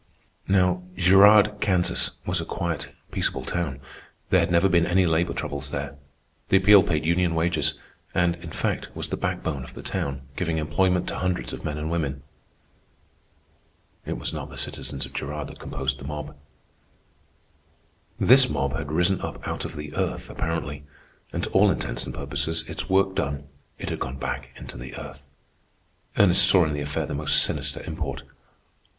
Now Girard, Kansas, was a quiet, peaceable town. There had never been any labor troubles there. The Appeal paid union wages; and, in fact, was the backbone of the town, giving employment to hundreds of men and women. It was not the citizens of Girard that composed the mob. This mob had risen up out of the earth apparently, and to all intents and purposes, its work done, it had gone back into the earth. Ernest saw in the affair the most sinister import.